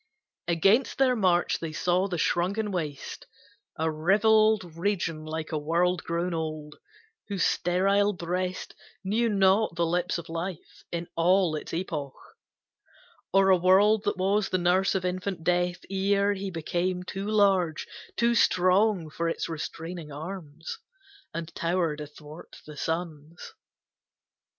Against their march they saw the shrunken waste, A rivelled region like a world grown old Whose sterile breast knew not the lips of Life In all its epoch; or a world that was The nurse of infant Death, ere he became Too large, too strong for its restraining arms, And towered athwart the suns.